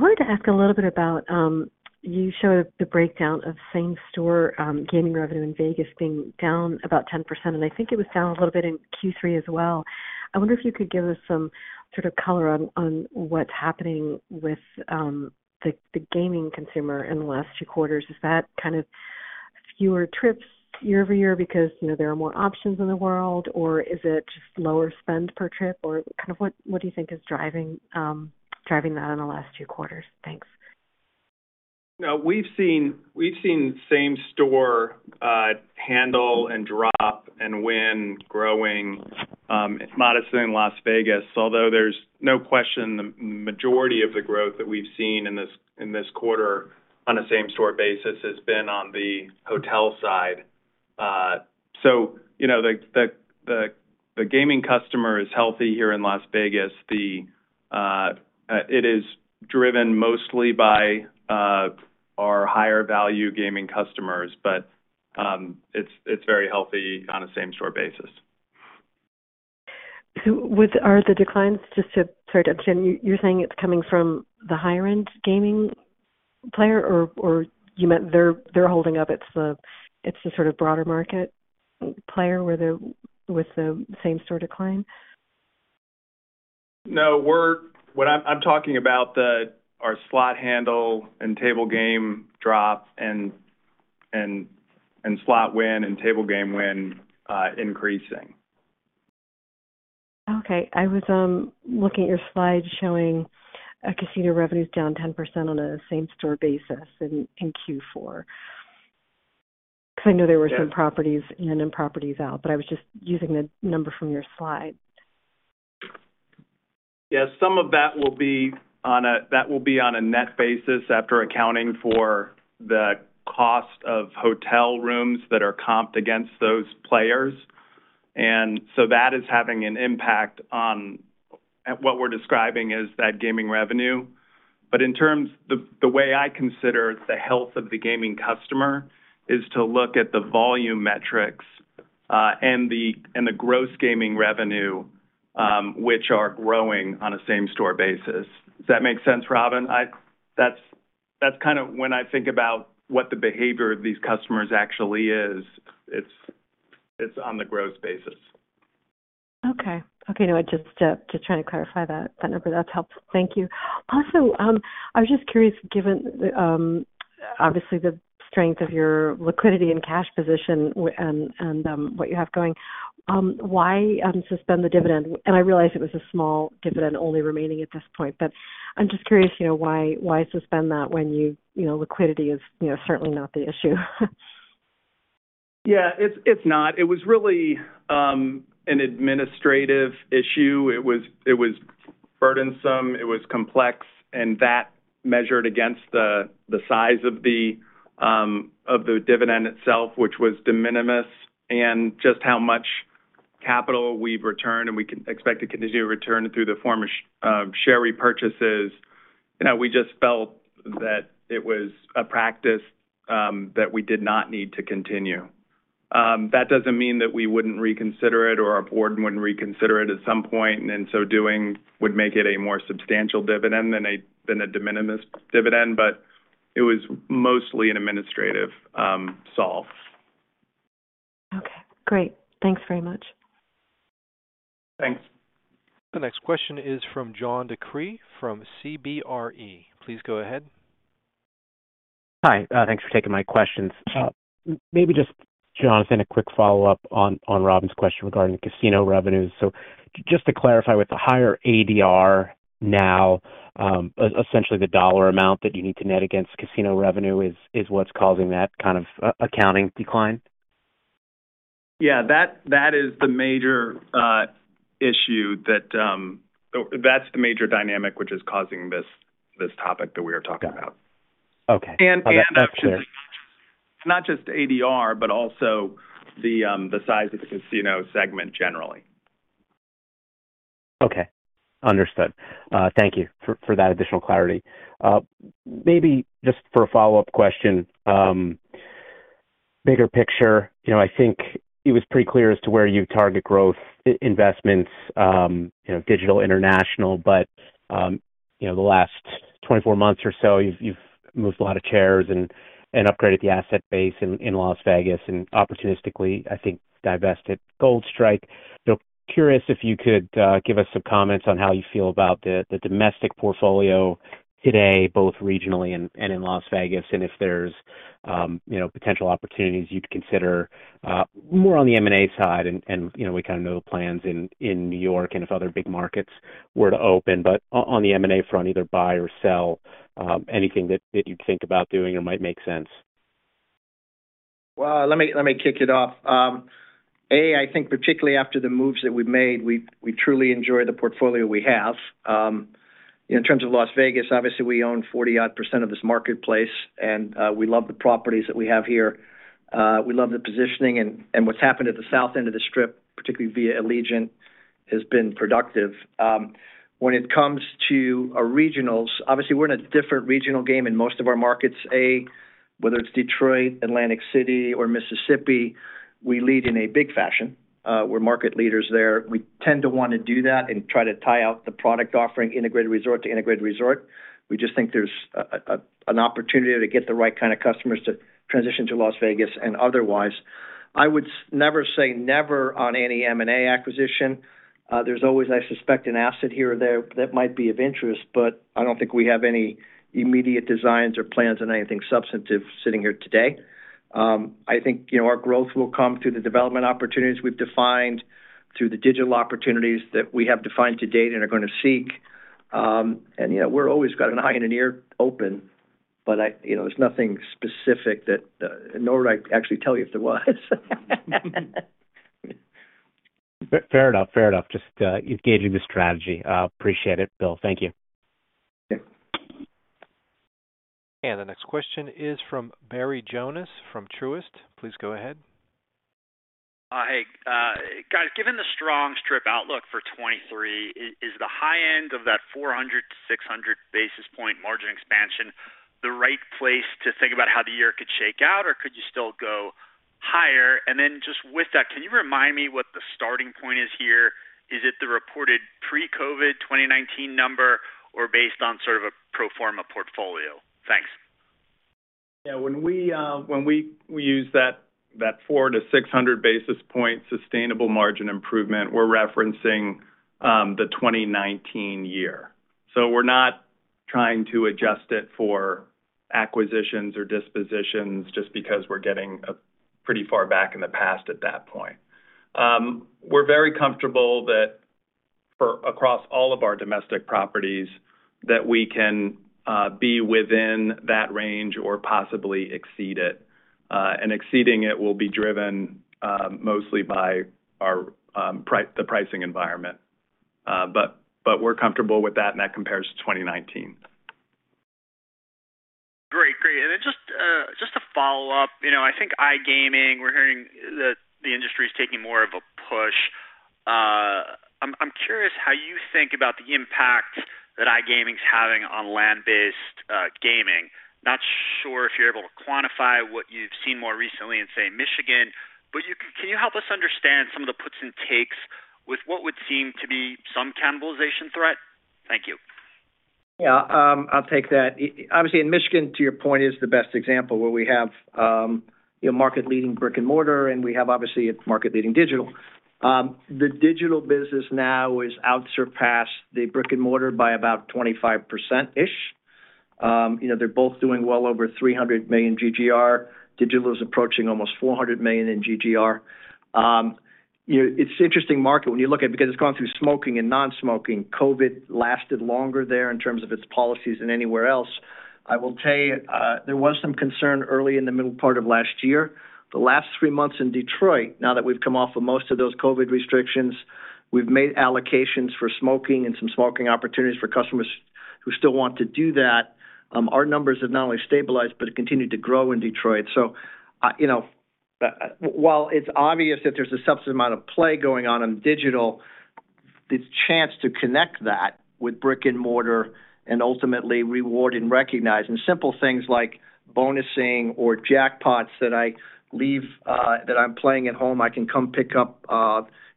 wanted to ask a little bit about, you showed the breakdown of same-store gaming revenue in Vegas being down about 10%, and I think it was down a little bit in Q3 as well. I wonder if you could give us some sort of color on what's happening with the gaming consumer in the last two quarters. Is that kind of fewer trips year-over-year because, you know, there are more options in the world, or is it just lower spend per trip? What do you think is driving that in the last two quarters? Thanks. No. We've seen same-store handle and drop and win growing modestly in Las Vegas, although there's no question the majority of the growth that we've seen in this quarter on a same-store basis has been on the hotel side. You know, the gaming customer is healthy here in Las Vegas. It is driven mostly by our higher value gaming customers, but it's very healthy on a same-store basis. Are the declines, sorry to interrupt you're saying it's coming from the higher end gaming player or you meant they're holding up, it's the, it's the sort of broader market player with the same-store decline? No. What I'm talking about our slot handle and table game drop and slot win and table game win increasing. I was looking at your slide showing casino revenues down 10% on a same-store basis in Q4. I know there were some properties in and properties out, but I was just using the number from your slide. Yeah, some of that will be on a net basis after accounting for the cost of hotel rooms that are comped against those players. That is having an impact on what we're describing as that gaming revenue. The way I consider the health of the gaming customer is to look at the volume metrics and the gross gaming revenue, which are growing on a same-store basis. Does that make sense, Robin? That's kind of when I think about what the behavior of these customers actually is, it's on the gross basis. Okay. Okay. No, I just trying to clarify that number. That's helpful. Thank you. Also, I was just curious, given, obviously the strength of your liquidity and cash position and what you have going, why suspend the dividend? I realize it was a small dividend only remaining at this point, but I'm just curious, you know, why suspend that when you know, liquidity is, you know, certainly not the issue? Yeah, it's not. It was really an administrative issue. It was burdensome, it was complex, that measured against the size of the dividend itself, which was de minimis and just how much capital we've returned and we can expect to continue to return through the form of share repurchases. You know, we just felt that it was a practice that we did not need to continue. That doesn't mean that we wouldn't reconsider it or our board wouldn't reconsider it at some point, in so doing, would make it a more substantial dividend than a de minimis dividend. It was mostly an administrative solve. Okay, great. Thanks very much. Thanks. The next question is from John DeCree from CBRE. Please go ahead. Hi. Thanks for taking my questions. Maybe just, Jonathan, a quick follow-up on Robin's question regarding casino revenues. Just to clarify, with the higher ADR now, essentially the dollar amount that you need to net against casino revenue is what's causing that kind of accounting decline? Yeah. That's the major dynamic which is causing this topic that we are talking about. Got it. Okay. Obviously it's not just ADR, but also the size of the casino segment generally. Okay. Understood. Thank you for that additional clarity. Maybe just for a follow-up question, bigger picture, you know, I think it was pretty clear as to where you target growth investments, you know, digital, international. You know, the last 24 months or so, you've moved a lot of chairs and upgraded the asset base in Las Vegas and opportunistically, I think, divested Gold Strike. Curious if you could give us some comments on how you feel about the domestic portfolio today, both regionally and in Las Vegas, and if there's, you know, potential opportunities you'd consider more on the M&A side. You know, we kind of know the plans in New York and if other big markets were to open. On the M&A front, either buy or sell, anything that you'd think about doing or might make sense? Well, let me kick it off. A, I think particularly after the moves that we've made, we truly enjoy the portfolio we have. In terms of Las Vegas, obviously we own 40 odd percent of this marketplace, we love the properties that we have here. We love the positioning and what's happened at the south end of the Strip, particularly via Allegiant, has been productive. When it comes to our regionals, obviously we're in a different regional game in most of our markets. Whether it's Detroit, Atlantic City or Mississippi, we lead in a big fashion. We're market leaders there. We tend to wanna do that and try to tie out the product offering integrated resort to integrated resort. We just think there's an opportunity to get the right kind of customers to transition to Las Vegas and otherwise. I would never say never on any M&A acquisition. There's always, I suspect, an asset here or there that might be of interest, but I don't think we have any immediate designs or plans on anything substantive sitting here today. I think, you know, our growth will come through the development opportunities we've defined, through the digital opportunities that we have defined to date and are gonna seek. You know, we're always got an eye and an ear open, but I. You know, there's nothing specific that. Nor would I actually tell you if there was. Fair enough. Fair enough. Just engaging the strategy. Appreciate it, Bill. Thank you. Okay. The next question is from Barry Jonas from Truist. Please go ahead. Hey, guys, given the strong Strip outlook for 2023, is the high end of that 400-600 basis point margin expansion the right place to think about how the year could shake out, or could you still go higher? Just with that, can you remind me what the starting point is here? Is it the reported pre-COVID 2019 number or based on sort of a pro forma portfolio? Thanks. When we use that 400-600 basis point sustainable margin improvement, we're referencing the 2019 year. We're not trying to adjust it for acquisitions or dispositions just because we're getting pretty far back in the past at that point. We're very comfortable that for across all of our domestic properties, that we can be within that range or possibly exceed it. Exceeding it will be driven mostly by our the pricing environment. We're comfortable with that, and that compares to 2019. Great. Great. Just, just to follow up, you know, I think iGaming, we're hearing the industry is taking more of a push. I'm curious how you think about the impact that iGaming is having on land-based gaming. Not sure if you're able to quantify what you've seen more recently in, say, Michigan, but can you help us understand some of the puts and takes with what would seem to be some cannibalization threat? Thank you. Yeah. I'll take that. Obviously in Michigan, to your point, is the best example where we have, you know, market-leading brick-and-mortar and we have obviously a market-leading digital. The digital business now has outsurpassed the brick-and-mortar by about 25%-ish. You know, they're both doing well over $300 million GGR. Digital is approaching almost $400 million in GGR. It's interesting market when you look at because it's gone through smoking and non-smoking. COVID lasted longer there in terms of its policies than anywhere else. I will tell you, there was some concern early in the middle part of last year. The last 3 months in Detroit, now that we've come off of most of those COVID restrictions, we've made allocations for smoking and some smoking opportunities for customers who still want to do that. Our numbers have not only stabilized but continued to grow in Detroit. You know, while it's obvious that there's a substantive amount of play going on in digital, the chance to connect that with brick-and-mortar and ultimately reward and recognize. Simple things like bonusing or jackpots that I leave, that I'm playing at home, I can come pick up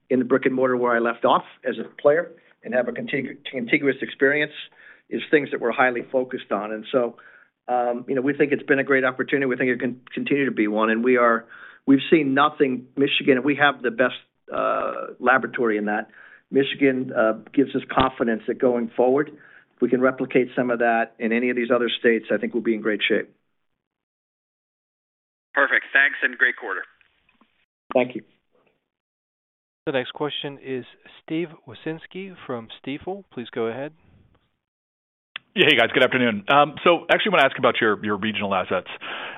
in the brick-and-mortar where I left off as a player and have a contiguous experience is things that we're highly focused on. You know, we think it's been a great opportunity. We think it can continue to be one. We've seen nothing Michigan, and we have the best laboratory in that. Michigan gives us confidence that going forward, we can replicate some of that in any of these other states, I think we'll be in great shape. Perfect. Thanks and great quarter. Thank you. The next question is Steve Wieczynski from Stifel. Please go ahead. Yeah. Hey, guys. Good afternoon. Actually wanna ask about your regional assets.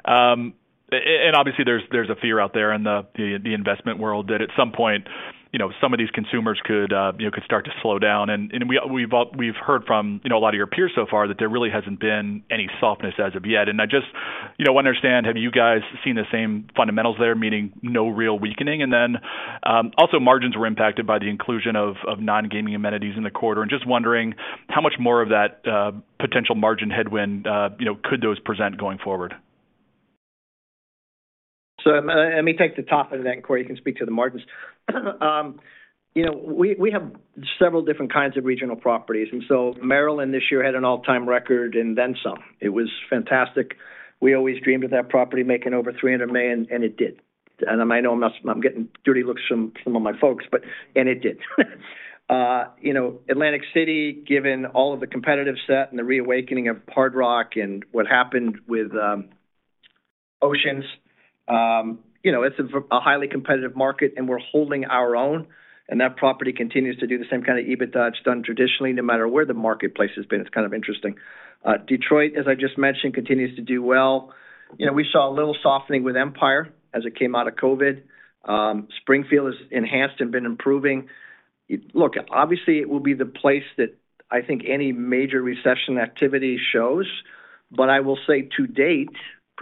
Obviously there's a fear out there in the investment world that at some point, you know, some of these consumers could, you know, could start to slow down. We've heard from, you know, a lot of your peers so far that there really hasn't been any softness as of yet. I just, you know, understand have you guys seen the same fundamentals there, meaning no real weakening? Also margins were impacted by the inclusion of non-gaming amenities in the quarter. I'm just wondering how much more of that potential margin headwind, you know, could those present going forward? Let me take the top of that inquiry. You can speak to the margins. You know, we have several different kinds of regional properties. Maryland this year had an all-time record and then some. It was fantastic. We always dreamed of that property making over $300 million, and it did. I know I'm getting dirty looks from some of my folks, and it did. You know, Atlantic City, given all of the competitive set and the reawakening of Hard Rock and what happened with Oceans, you know, it's a highly competitive market, and we're holding our own, and that property continues to do the same kind of EBITDA it's done traditionally, no matter where the marketplace has been. It's kind of interesting. Detroit, as I just mentioned, continues to do well. You know, we saw a little softening with Empire as it came out of COVID. Springfield is enhanced and been improving. Look, obviously, it will be the place that I think any major recession activity shows. What I will say to date,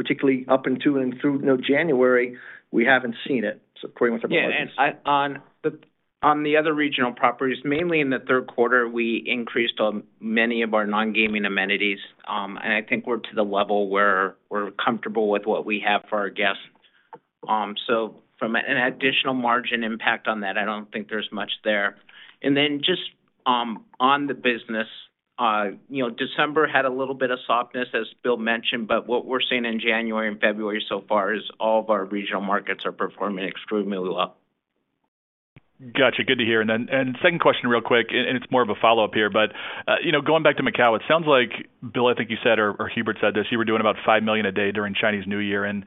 particularly up until and through January, we haven't seen it. According with the. On the other regional properties, mainly in the third quarter, we increased on many of our non-gaming amenities. I think we're to the level where we're comfortable with what we have for our guests. So from an additional margin impact on that, I don't think there's much there. Then just on the business, you know, December had a little bit of softness, as Bill mentioned. What we're seeing in January and February so far is all of our regional markets are performing extremely well. Got you. Good to hear. Second question real quick, and it's more of a follow-up here. You know, going back to Macau, it sounds like, Bill, I think you said or Hubert said this, you were doing about $5 million a day during Chinese New Year. Again,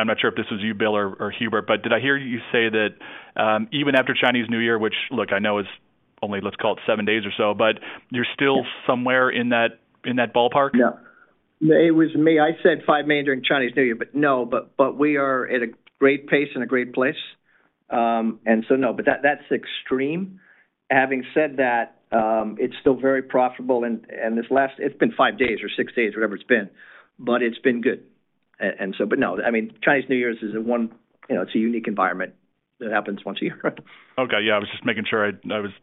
I'm not sure if this is you, Bill or Hubert, but did I hear you say that, even after Chinese New Year, which look, I know is only, let's call it 7 days or so, but you're still somewhere in that ballpark? Yeah. It was me. I said $5 million during Chinese New Year. No, we are at a great pace and a great place. No. That's extreme. Having said that, it's still very profitable and it's been 5 days or 6 days, whatever it's been, but it's been good. No. I mean, Chinese New Year is a 1, you know, it's a unique environment that happens once a year. Okay. Yeah, I was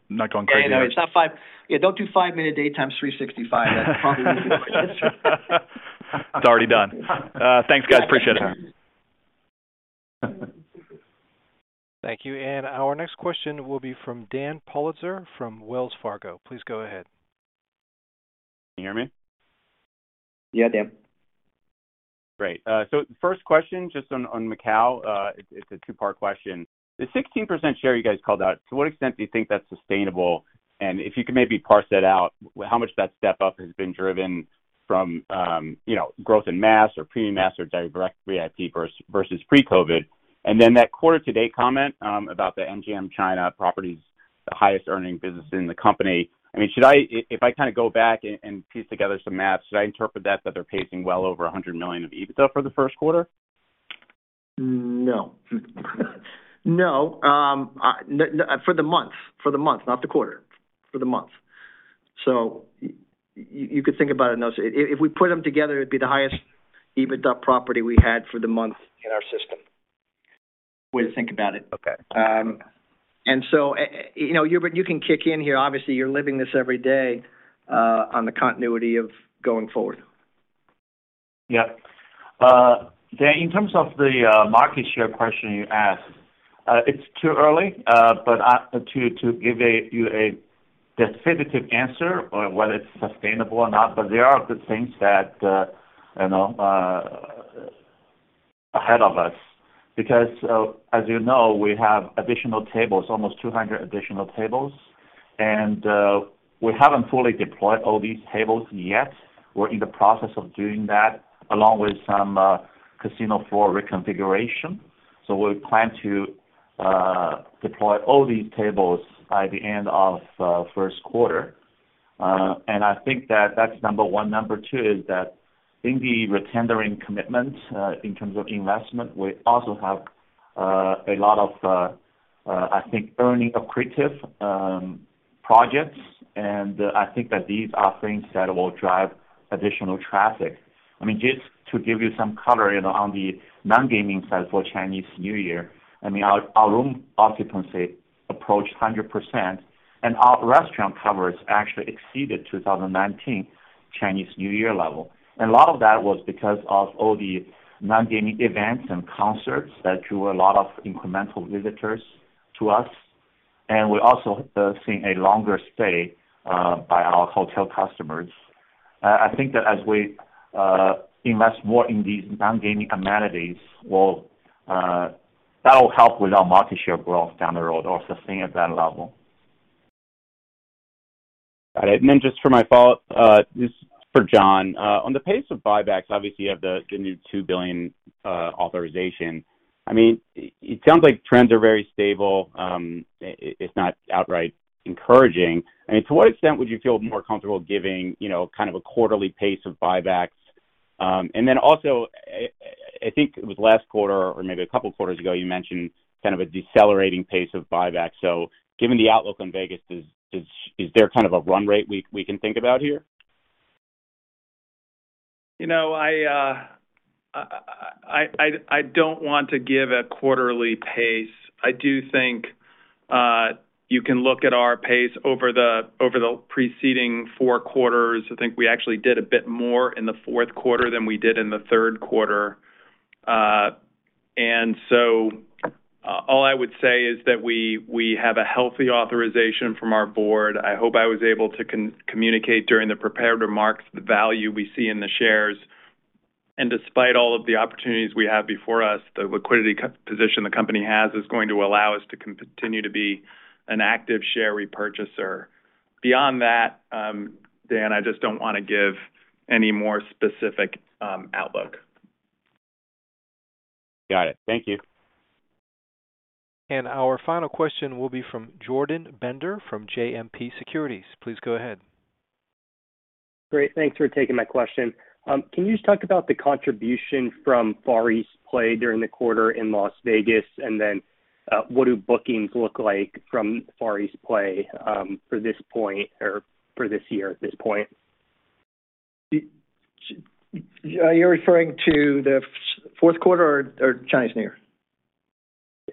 not going crazy there. Yeah, no, it's not 5. Yeah, don't do $5 million a day times 365. That's probably It's already done. Thanks, guys. Appreciate it. Thank you. Our next question will be from Dan Politzer from Wells Fargo. Please go ahead. Can you hear me? Yeah, Dan. Great. First question, just on Macau. It's a two-part question. The 16% share you guys called out, to what extent do you think that's sustainable? If you could maybe parse that out, how much of that step up has been driven from, you know, growth in mass or premium mass or direct VIP versus pre-COVID? Then that quarter to date comment, about the MGM China properties, the highest earning business in the company. I mean, should I If I kinda go back and piece together some maths, should I interpret that they're pacing well over $100 million of EBITDA for the first quarter? No. No. For the month. For the month, not the quarter. For the month. You could think about it in those... If we put them together, it'd be the highest EBITDA property we had for the month in our system. Way to think about it. Okay. You know, Hubert, you can kick in here. Obviously, you're living this every day, on the continuity of going forward. Yeah. Dan, in terms of the market share question you asked, it's too early, but to give you a definitive answer on whether it's sustainable or not. There are good things that, you know, - Ahead of us because, as you know, we have additional tables, almost 200 additional tables. We haven't fully deployed all these tables yet. We're in the process of doing that, along with some casino floor reconfiguration. We plan to deploy all these tables by the end of first quarter. I think that that's number one. Number two is that in the retendering commitment, in terms of investment, we also have a lot of, I think earning accretive projects. I think that these are things that will drive additional traffic. I mean, just to give you some color in on the non-gaming side for Chinese New Year, I mean our room occupancy approached 100%, and our restaurant covers actually exceeded 2019 Chinese New Year level. A lot of that was because of all the non-gaming events and concerts that drew a lot of incremental visitors to us. We also, seeing a longer stay, by our hotel customers. I think that as we invest more in these non-gaming amenities, that'll help with our market share growth down the road or sustain at that level. Got it. Just for my follow-up, just for Jon. On the pace of buybacks, obviously you have the new $2 billion authorization. I mean, it sounds like trends are very stable, if not outright encouraging. I mean, to what extent would you feel more comfortable giving, you know, kind of a quarterly pace of buybacks? Also, I think it was last quarter or maybe a couple of quarters ago, you mentioned kind of a decelerating pace of buyback. Given the outlook on Vegas, is there kind of a run rate we can think about here? I don't want to give a quarterly pace. I do think you can look at our pace over the preceding four quarters. I think we actually did a bit more in the fourth quarter than we did in the third quarter. All I would say is that we have a healthy authorization from our board. I hope I was able to communicate during the prepared remarks the value we see in the shares. Despite all of the opportunities we have before us, the liquidity position the company has is going to allow us to continue to be an active share repurchaser. Beyond that, Dan, I just don't wanna give any more specific outlook. Got it. Thank you. Our final question will be from Jordan Bender from JMP Securities. Please go ahead. Great. Thanks for taking my question. Can you just talk about the contribution from Far East play during the quarter in Las Vegas? What do bookings look like from Far East play, for this point or for this year at this point? Are you referring to the fourth quarter or Chinese New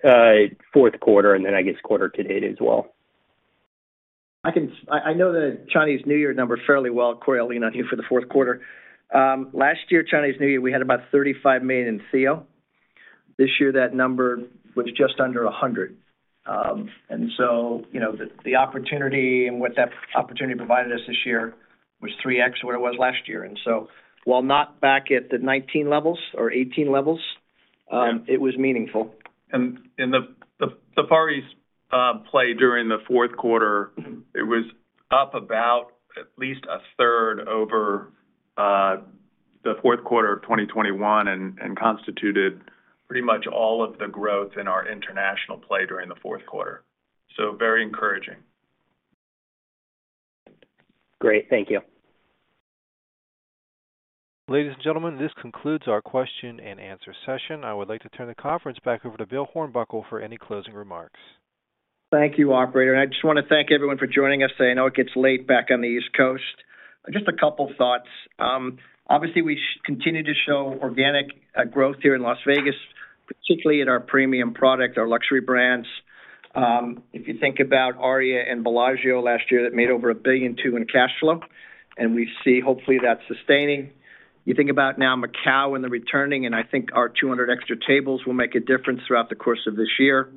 Year? Fourth quarter, and then I guess quarter to date as well. I know the Chinese New Year numbers fairly well correlating on here for the fourth quarter. Last year, Chinese New Year, we had about $35 million in sale. This year, that number was just under $100 million. You know, the opportunity and what that opportunity provided us this year was 3x what it was last year. While not back at the 2019 levels or 2018 levels, it was meaningful. The, the Far East play during the fourth quarter, it was up about at least a third over the fourth quarter of 2021 and constituted pretty much all of the growth in our international play during the fourth quarter. Very encouraging. Great. Thank you. Ladies and gentlemen, this concludes our question-and-answer session. I would like to turn the conference back over to Bill Hornbuckle for any closing remarks. Thank you, operator. I just wanna thank everyone for joining us today. I know it gets late back on the East Coast. Just a couple of thoughts. Obviously, we continue to show organic growth here in Las Vegas, particularly in our premium product, our luxury brands. If you think about ARIA and Bellagio last year, that made over $1.2 billion in cash flow, and we see hopefully that sustaining. You think about now Macau and the returning, and I think our 200 extra tables will make a difference throughout the course of this year.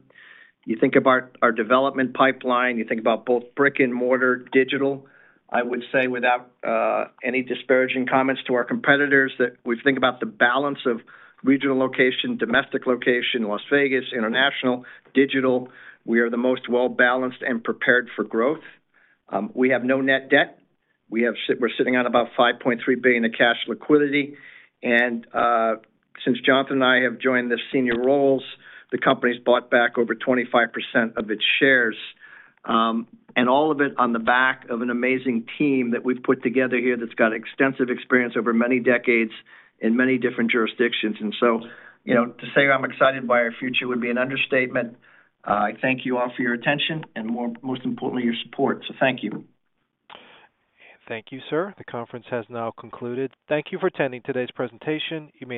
You think about our development pipeline, you think about both brick-and-mortar digital. I would say without any disparaging comments to our competitors, that we think about the balance of regional location, domestic location, Las Vegas, international, digital. We are the most well-balanced and prepared for growth. We have no net debt. We're sitting on about $5.3 billion in cash liquidity. Since Jonathan and I have joined the senior roles, the company's bought back over 25% of its shares, and all of it on the back of an amazing team that we've put together here that's got extensive experience over many decades in many different jurisdictions. You know, to say I'm excited by our future would be an understatement. I thank you all for your attention and more, most importantly, your support. Thank you. Thank you, sir. The conference has now concluded. Thank you for attending today's presentation.